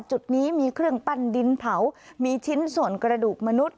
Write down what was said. จุดนี้มีเครื่องปั้นดินเผามีชิ้นส่วนกระดูกมนุษย